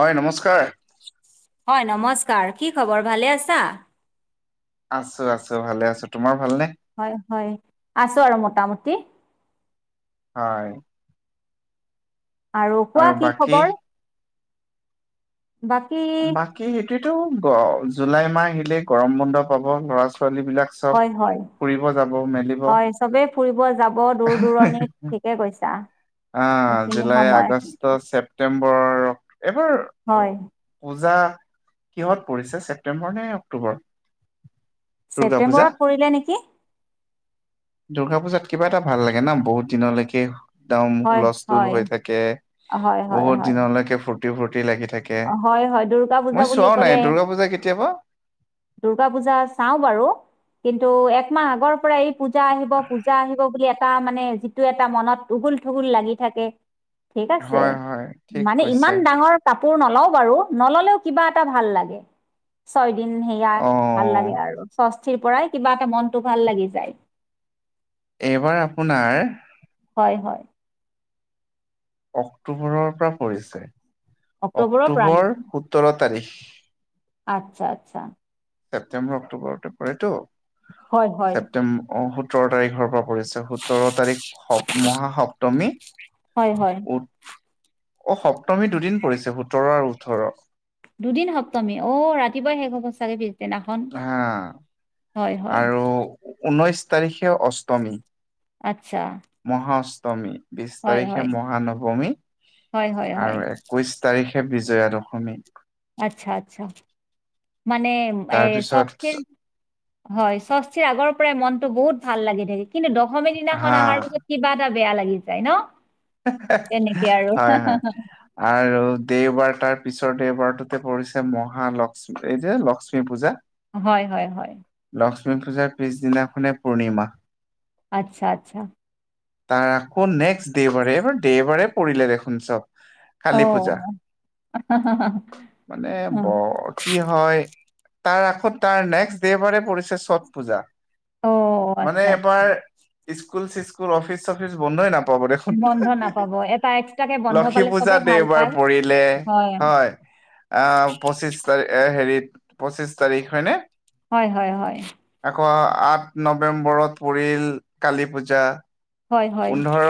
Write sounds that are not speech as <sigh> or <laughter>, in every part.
হয়, নমস্কাৰ। হয়, নমস্কাৰ কি খবৰ ভালে আছা? আছো আছো ভালে আছো তোমাৰ ভালনে? হয়, হয় আছো আৰু মোটামুটি। হয়। আৰু কোৱা কি খবৰ? বাকী প্ৰতিটো জুলাই মাহ আহিলেই গৰম বন্ধ পাব ল'ৰা ছোৱাল হয়, হয়, মেলিব হয় চবেই ফুৰিব যাব দূৰ দূৰণিত। থিকে কৈছা। অ', এইখিনি জুলাই সময় আগষ্ট ছেপ্তেম্বৰ এবাৰ হয় পূজা কিহত পৰিছে ছেপ্টেম্বৰ নে অক্টোবৰ? দুৰ্গা পূজা ছেপ্তেম্বৰত পৰিলে নেকি? দুৰ্গা পূজাত কিবা এটা ভাল লাগে ন বহুত দিনলৈকে। একদম হয় হুলস্থুল হয় হৈ থাকে হয় হয় বহুত হয় দিনলৈকে ফূৰ্তি ফূৰ্তি লাগি থাকে। হয় হয় দুৰ্গা পূজা মই বুলি চোৱাও নাই ক'লে দুৰ্গা পূজা কেতিয়াবা দুৰ্গা পূজা চাও বাৰু। কিন্তু একমাহ আগৰ পৰা এই পূজা আহিব পূজা আহিব বুলি এটা মানে মানে যিটো এটা মনত উগুল গুল লাগি থাকে। ঠিক আছে হয় হয় ঠিক মানে কৈছে ইমান ডাঙৰ কাপ কাপোৰ নেওয়া বাৰু। নললেওঁ কিবা এটা ভাল লাগে। দিন সেয়া ভাল অ' লাগে আৰু সষ্ঠিৰ পৰাই কিবা এটা মনতটো ভাল লাগি যায়। এইবাৰ আপোনাৰ হয়, হয়। অক্টোবৰৰ পৰা পৰিছে অক্টোবৰৰ পৰা অক্টোবৰ নেকি সোতৰ তাৰিখ। <inaudible> আচ্ছা আচ্ছা। ছেপ্তেম্বৰ অক্টোবৰ অক্টোৰেতটো হয় হয় ছেপটেম্ব অ' সোতৰ তাৰিখৰ পৰা পৰিছে সোতৰ তাৰিখ সপ মহাসপ্তমী হয় হয় অ', সপ্তমী দুদিন পৰিছে সোতৰ আৰু ওঠৰৰ। দুদিন সপ্তমী অ' ৰাতিপুৱাই শেষ হব চাগে। দিনাখন হা হয়, হয়। তাৰিখেও অষ্টমী। আচ্ছা। সমী বিশ হয় তাৰিখে হয় মহানৱমী হয় হয় হয় আৰু একৈশ তাৰিখে বিজয়া দশমী। আচ্ছা আচ্ছা মানে এ তাৰপিছত ষষ্ঠীৰ হয় ষষ্ঠীৰ আগৰ পৰাই মনতটো বহুত ভাল লাগি থাকে। কিন্তু দশমী দিনাখন হা অহাৰ পিছত কিবা এটা বেয়া লাগি যায় ন। তেনেকে আৰু হয়, হয় আৰু দেওবাৰ তাত। পিছৰ দেওবাৰটোতে পৰিছে মহা লক্ষ্মী এই যে লক্ষ্মী পূজা। হয়, হয়, হয়। লক্ষ্মী পূজাৰ পিছদিনাখনেই পূৰ্ণিমা। আচ্ছা আচ্ছা। তাৰ আকৌ নেক্সট দেওবাৰে এইবাৰ দেওবাৰে পৰিলে দেখোন চব। কালী পূজা অহ। মানে বৰ কি হয় তাৰ আখত তাৰ নেক্সট দেবাৰে পৰিছে ছট পূজা। অ', মানে আচ্ছা, আচ্ছা। এবাৰ স্কুল চিকুল অফিচ চফিচ বন্ধই নাপাব। দেখোন বন্ধ নাপাব। এটা এক্সট্ৰাকে বন্ধ লক্ষী পালে চবেই পূজাত ভাল দেওবাৰ পায়। পৰিলে হয়। আহ পঁচিছ তাৰিখ হেৰিত পঁচিছ তাৰিখ হয়নে। হয়, হয়, হয়। এশ আঠ নৱেম্বৰত পৰিল কালী পূজা। হয়, হয়, পোন্ধৰ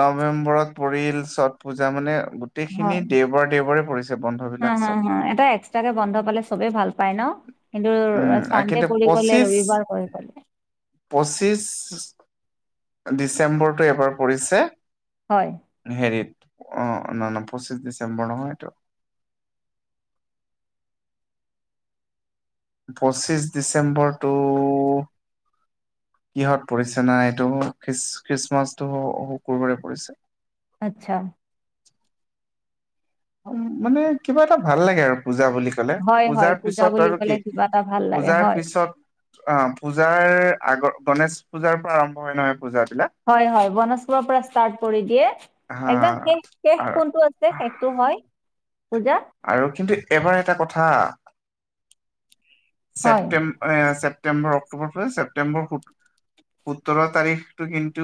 নৱেম্বৰত পৰিল ছট পূজা মানে গোটেইখিনি দেওবাৰে দেওবাৰে পৰিছে বন্ধ বিলাক হম, হম, চব হম এটা এক্সট্ৰাকে বন্ধ পালে চবে ভাল পায় ন। কিন্তু উম চানডে কিন্তু পৰিল গ'লে ৰবিবাৰ কৈ গ'লে। পঁচিছ ডিচেম্বৰটো এবাৰ পৰিছে হয়, হেৰিত। আহ ন না পঁচিছ ডিচেম্বৰ নহয়টো। পঁচিশ ডিচেম্বৰটো কিহত পৰিছে না এইটো খ্ৰী খ্ৰীষ্টমাছটো শুকুৰবাৰে পৰিছে। আচ্ছা। মানে কিবা এটা ভাল লাগে আৰু পূজা বুলি কলে হয়, হয়। পূজাৰ পূজা পিছত বুলি আৰু কি ক'লে কিবা এটা ভাল লাগে। পূজাৰ হয়, পিছত অ' পূজাৰ আগৰ গণেশ পূজাৰ পৰা আৰম্ভ হয় নহয় পূজাত। হয়, হয় গনেশপুৰৰ পৰা ষ্টাৰ্ট কৰি দিয়ে। হা একদম শেষ শেষ আৰু কোনটো আছে শেষটো হয় পূজা। আৰু কিন্তু এবাৰ এটা কথা হয়। ছেপটেম্ব ছেপটেম্বৰ অক্টোবৰৰ ছেপ্তেম্বৰ সোতৰ তাৰিখটো কিন্তু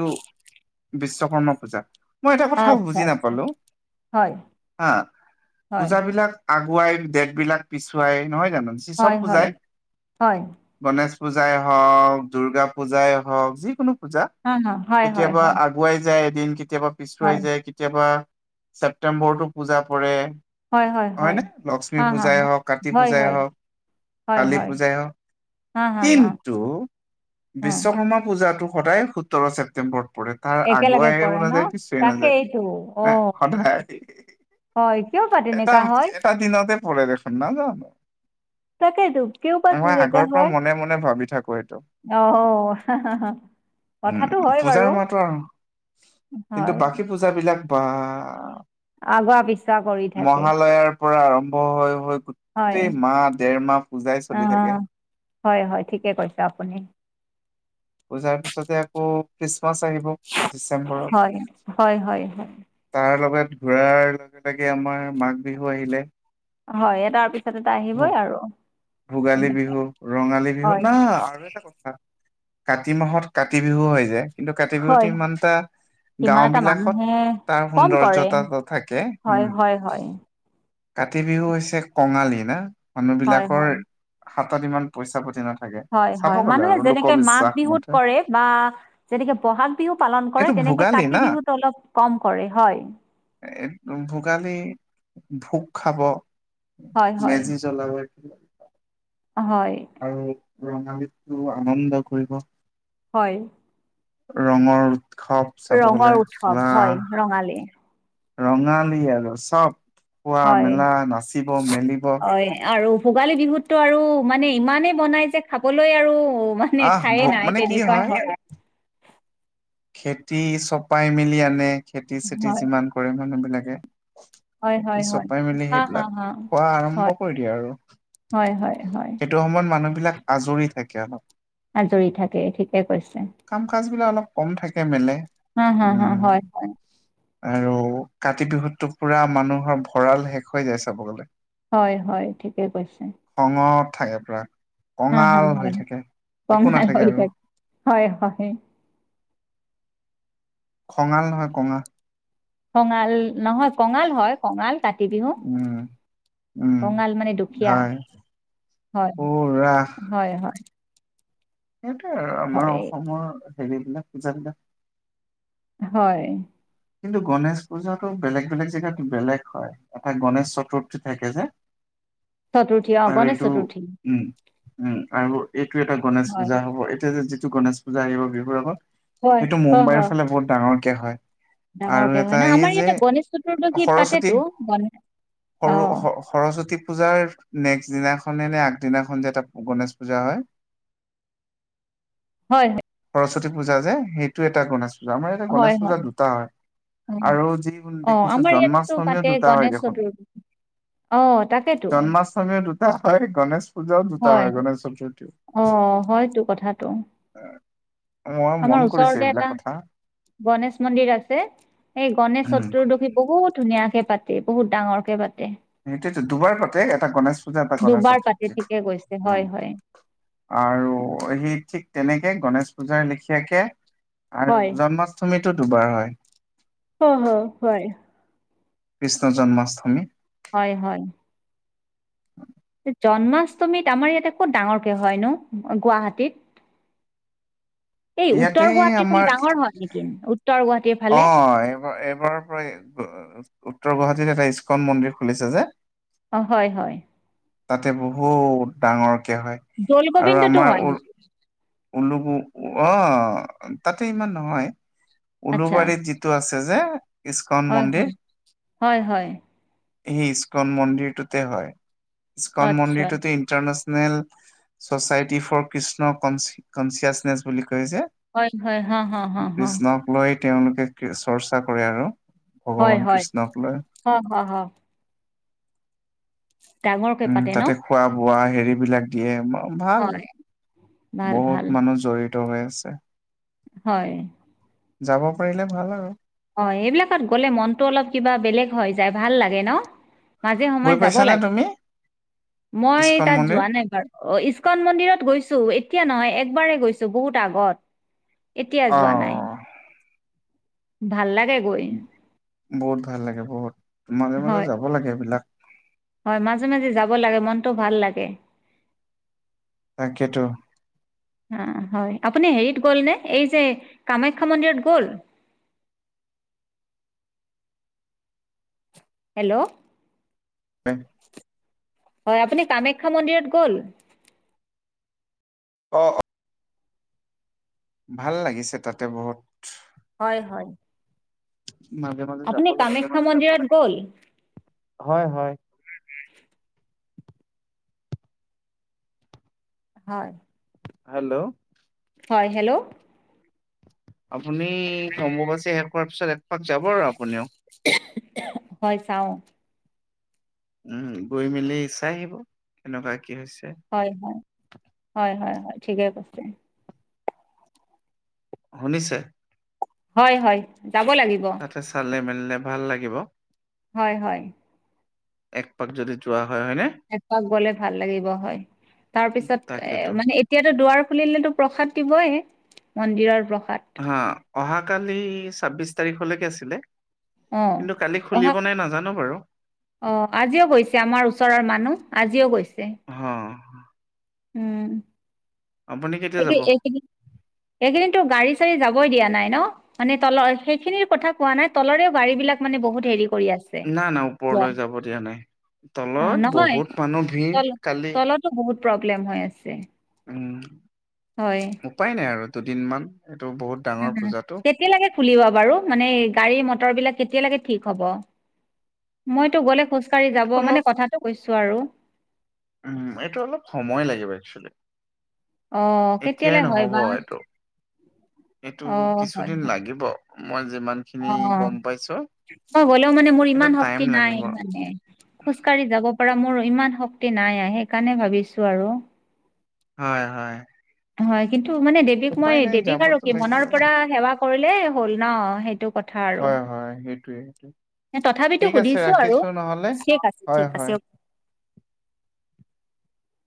বিশ্বকৰ্মা পূজা। মই এটা কথাও আচ্ছা, বুজি আচ্ছা। নাপালো হয়, হা। হয়, পূজাবিলাক আগুৱাই দেতবিলাক পিছুৱাই নহয় চব হয়, হয়, পূজাই হয়, গণেশ পূজাই হওঁক দূৰ্গা পূজাই হওঁক যিকোনো পূজা হা, হা, হয়, হয়, কেতিয়াবা হয়, আগুৱাই যায়। দিন কেতিয়াবা পিছুৱাই হয়, যায় কেতিয়াবা ছেপ্তেম্বৰতো পূজা পৰে। হয়, হয়, হয়, হয়নে লক্ষ্মী হা, হা, পূজাই হা, হওঁক কাতি হয়, পূজাই হয়, হওঁক। হয়, কালী হয়, পূজাই হওঁক। হা, হা, হা, কিন্তু হা, বিশ্বকৰ্মা পূজাটো সদায় সোতৰ ছেপ্তেম্বৰ পৰে তাৰ একেলগে আগুৱাইও পৰে ন? নাযায় পিছে নাযায় তাকেইতো, অ', সদায়। হয় কিয় পাতি নেক এটা এটা দিনতে প দেখোন ন জানো। তাকেটে কিয় বা তেনেকুৱা আগৰ পৰা হয়। মনে মনে ভাবি থাকো এইটো আহ <unintelligible> উম, পূজাৰ মাতো আৰু কিন্তু হয়, বাকী পূজাবিলাক বা আগুৱা পিছুৱা কৰি থাকে। মহালয়াৰ পৰা আৰম্ভ হৈ হৈ হয়, গোটেই মাহ দেৰ মাহ পূজাই চলি থাকে। অ', হয়, হয় ঠিকে কৈছ আপুনি। পুজাৰ পিছতে আকৌ আহিব হয়, ডিচেম্বৰত। হয়, হয়, হয়, তাৰ লগত ঘৰাৰ লগে লগে আমাৰ মাঘ বিহু আহিলে। হয় তাৰ পিছত এটা ভোগ আহিবই আৰু। ভোগালী তেনেকে, বিহু ৰঙালী বিহু হয়, না আৰু এটা কথা কাতি মাহত কাতি বিহু হৈ যায়। কিন্তু কাতি বিহুত হয়। ইমানটা সিমান এটা গাওঁবিলাকত মানুহে তাৰ কম কৰে সৌন্দৰ্যতা থাকে উম। হয় হয় হয় কাতি বিহু হৈছে কঙালী না মানুহবিলাক হয়। হাতত ইমান পইচা পাতি না হয় হয় মানুহে যেনেকে মাঘ বিহুত মতে কৰে বা যেনেকে বহাগ বিহু পালন কৰে এইটো এনেকে ভোগালী না কাতি বিহুতো অলপ কম কৰে হয়। ভোগালী ভোগ খাব হয় হয় মেজি জ্বলাব। হয় আৰু ৰঙালীটো আনন্দ কৰিব। হয়। ৰঙৰ উৎসৱ চাব গ'লে ৰঙৰ উৎসৱ হয় ৰঙালী ৰঙালী আৰু চব খোৱা হয় মেলা নাচিব মেলিব। হয় আৰু ভোগালী বিহুতটো আৰু মানে ইমানেই বনাই যে খাবলৈ আৰু অ', মানে আহ ঠায়ে ভোগ নাই মানে কি তেনেকুৱা হয়। খেতি চপাই মেলি আনে খেতি চেতি যিমান কৰে মানুহবিলাকে। হয় হয় হয় হয় চপাই মেলি হা হা সেইবিলাক, হা খোৱা হয় আৰম্ভ কৰি দিয়ে আৰু। হয়, হয়, হয়। সেইটো <unintelligible> আজৰি থাকে অলপ। আজৰি থাকে, ঠিকে কৈছে। কাম কাজ বিলাক অলপ কম থাকে মেলে। হম হম হম, উম হয় হয়। আৰু কাতি বিহুতো পুৰা মানুহৰ ভঁৰাল শেষ হৈ যায় চাব গ'লে। হয় হয় ঠিকেই কৈছে। ৰঙত থাকে প্ৰায় হা, হা, কঙাল হৈ হয়, থাকে একো কঙাল হৈ নাথাকে আৰু। থাকে। হয়, হয়, খঙাল নহয় কঙাল। খঙাল নহয় কঙাল হয় কঙাল। কাতি বিহু, উম উম কঙাল মানে দুখীয়া। হয় হয়, পুৰা হয়, হয়। সেইটেৱে আৰু আমাৰ হয়, অসমৰ হেৰিবিলাক পূজাবিলাক হয়। কিন্তু গণেশ পূজাটো বেলেগ বেলেগ জেগাত বেলেগ হয়। এটা গনেশ চতুৰ্থী থাকে যে। চতুৰ্থী অ', আৰু গণেশ এইটো চতুৰ্থী, উম উম, আৰু এইটো এটা গণেশ হয়, পূজা হ'ব, এটিয়া যিটো গণেশ পূজা আহিব বিহুৰ আগত হয়, সেইটো হয়, মুম্বাইৰ হয়, ফালে বহুত ডাঙৰকে হয়। আৰু ডাঙৰকে এটা হয় ন', এই আমাৰ যে ইয়াতে গণেশ চতুৰ্দশী সৰস্বতী পাতেতো গনেশ সৰু সৰ-সৰস্বতী পূজাৰ নেক্সট দিনাখনে নে আগদিনাখন যে এটা গনেশ পূজা হয়। হয়, হয়। সৰস্বতী পূজা যে, সেইটো এটা গণেশ পূজা, আমাৰ ইয়াতে হয়, গণেশ হয়, পূজা দুটা হয়। অ', আৰু যি অ', দেখিছো আমাৰ ইয়াততো জন্মাষ্টমীও পাতে দুটা হয় গণেশ দেখোন চতুৰ্থী অ', তাকেইটো। <unintelligible> হয় গণেশ পূজাওঁ দুটা হয়, গণেশ চতুৰ্থীওঁ। অ', হয়তো কথাটো, আমাৰ ওচৰতে এটা গণেশ মন্দিৰ আছে। এই গনেশ উম চতুৰ্দশী বহুত ধুনীয়াকে পাতে, বহুত ডাঙৰকে পাত সেইটোয়েতো দুবাৰ পাতে। এটা গনেশ পূজা, এটা গনেশ দুবাৰ পাতে চতুৰ্থী, ঠিকে কৈছে উ। হয় হয় আৰু সেই ঠিক তেনেকে গণেশ পূজাৰ লেখীয়াকে আৰু হয় জন্মাষ্টমীটো দুবাৰ হয়। অ', অ', হয়। কৃষ্ণ জন্মাষ্টমী। হয় হয়। <inaudible> জন্মাষ্টমীত আমাৰ ইয়াতে ক'ত ডাঙৰকে হয়নো? গুৱাহাটীত? <inaudible> এই ইয়াতে উত্তৰ গুৱাহাটীৰ ফালে আমাৰ ডাঙৰ হয় নেকি? উত্তৰ গুৱাহাটীত অ', এইবাৰ-এইবাৰৰ পৰাই উত্তৰ গুৱাহাটীত এটা ইস্কন মন্দিৰ খুলিছে যে। অ', হয় হয়। তাতে বহুত ডাঙৰকে হয় দৌল আৰু গোবিন্দতো আমাৰ হয় উৰ নেকি <unintelligible> অ', তাতে ইমান নহয়, আচ্ছা উলুবাৰীত যিটো আছে যে ইস্কন হয় মন্দিৰ হয়, হয় হয়। সেই ইস্কন মন্দিৰটোতে হয়, ইস্কন আচ্ছা মন্দিৰটোতো international society for Krishna consciousness বুলি কয় যে হয় হয় হা হা হা হা কৃষ্ণক লৈ তেওঁলোকে চৰ্চা কৰে আৰু। হয় ভগৱান হয় কৃষ্ণক লৈ। হ হ হ ডাঙৰকে উম, পাতে তাতে ন? খোৱা হেৰিবিলাক দিয়ে ভাল। হয় ভাল বহুত ভাল মানুহ জড়িত হৈ আছে। হয়। যাব পাৰিলে ভাল আৰু। অ', এইবিলাকত গ'লে মনটো অলপ কিবা বেলেগ হৈ যায়, ভাল লাগে ন? মাজে গৈ সময়ে যাব পাইছানে লাগে। তুমি মই ইস্কন তাত মন্দিৰ? যোৱা নাই বাৰু। অ', ইস্কন মন্দিৰত গৈছো এতিয়া নহয় একবাৰে গৈছো বহুত আগত, এতিয়া যোৱা নাই। অ', ভাল লাগে গৈ। বহুত ভাল লাগে, বহুত। মাজে মাজে হয় যাব লাগে এইবিলাক। হয় মাজে মাজে যাব লাগে, মনটো ভাল লাগে। তাকেতো। অ', হয় আপুনি হেৰিত গ'ল নে এই যে কামাখ্যা মন্দিৰত গ'ল? <inaudible> হেল্ল'। হয়। হয় আপুনি কামাখ্যা মন্দিৰত গ'ল? অ', অ'। ভাল লাগিছে তাতে বহুত। হয়, হয়। মাজে মাজে যাব আপুনি লাগে কামাখ্যা মন্দিৰত গ'ল হয় হয়। হয়। হেল্ল'। হয় হেল্ল'। আপুনি অম্বুবাছী শেষ হোৱাৰ পিছত একপাক যাব আৰু আপুনিও। হয় চাওঁ। উম, গৈ মেলি চাই আহিব কেনেকুৱা কি হৈছে হয়, হয়, হয়, হয়, হয়, ঠিকে কৈছে। শুনিছে? হয় হয়। যাব লাগিব তাতে চালে মেলিলে ভাল লাগিব। হয় হয়। এক পাক যদি যোৱা হয় হয়নে? এপাক গ'লে ভাল লাগিব হয় তাৰপিছত তাকেতো এ মানে এতিয়াতো দুৱাৰ খুলিলেতো প্ৰসাদ দিবইে মন্দিৰৰ প্ৰসাদ হা অহাকালি ছাব্বিশ তাৰিখলৈকে আছিলে। অ', কিন্তু কালি অহা খুলিব নাই নাজানো বাৰু আহ আজিও গৈছে আমাৰ ওচৰৰ মানুহ। আজিও গৈছে। হম। উম। আপুনি কেতিয়া একদিন যাব? একদিন গাড়ী চাৰী যাবই দিয়া ন। মানে তলৰ সেইখিনিৰ কথা কোৱা নাই তলৰেও গাড়ীবিলাক মানে বহুত হেৰি কৰি আছে নাই না ওপৰলৈ যাব দিয়া নাই। অ তলত নহয় বহুত মানুহ ভিৰ তল কালি। তলতো বহুত প্ৰব্লেম হৈ আছে। উম, হয় উপায় নাই আৰু দুদিন মান। উম, কেতিয়ালৈকে খুলিব বাৰু মানে গাড়ী মটৰবিলাক। কেতিয়ালৈকে ঠিক হ'ব মইতো গ'লে খোজকাঢ়ি এইটো যাব অলপ মানে কথাটো কৈছো। চো আৰু। উম, এইটো অলপ সময় লাগিব একচুয়েলি। অ এতিয়াই কেতিয়ালৈ হয় নহ'ব বা এইটো এইটো অ হয় কিছুদিন হয় লাগিব। মই যিমান অ খিনি গম পাইছো। মই গ'লেও মানে মোৰ এইটো ইমান টাইম শক্তি লাগিব নাই মানে খোজ কঢ়ি যাব পৰা মোৰ ইমান শক্তি নাই সেইকাৰণে ভাবিছো আৰু। হয় হয়। হয় কিন্তু মানে দেৱীক মই উপায় নাই দেৱীক আৰু যাবতো কি মনৰ লাগিবই পৰা সেৱা কৰিলে হ'ল ন সেইটো। কথা আৰু হয় হয় সেইটোয়ে। তথাপিতো ঠিক আছে সুধিছো আৰু ৰাখিছোঁ নহ'লে ঠিক আছে হয় ঠিক আছে হয়।